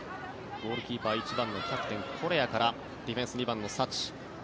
ゴールキーパー１番のキャプテン、コレアからディフェンス２番のサチ。